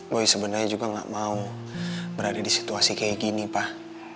gue sebenarnya juga gak mau berada di situasi kayak gini pak